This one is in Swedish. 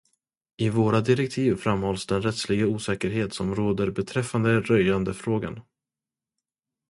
I våra direktiv framhålls den rättsliga osäkerhet som råder beträffande röjandefrågan.